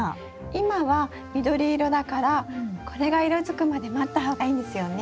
今は緑色だからこれが色づくまで待った方がいいんですよね？